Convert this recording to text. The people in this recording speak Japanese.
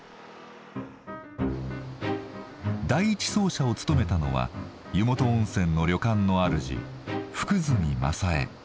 第１走者を務めたのは湯本温泉の旅館のあるじ